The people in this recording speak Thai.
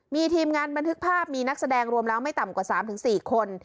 มีทีมงานบันทึกภาพมีนักแสดงรวมแล้วไม่ต่ำกว่า๓๔คน